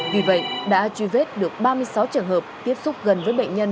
vì vậy đã truy vết được ba mươi sáu trường hợp tiếp xúc gần với bệnh nhân